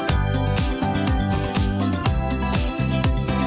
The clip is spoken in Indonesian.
nah saudara sampai jumpa